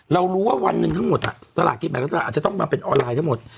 เรารู้ว่าวันหนึ่งทั้งหมดสลากกินแบ่งรัฐบาลอาจจะต้องมาเป็นออนไลน์ทั้งหมด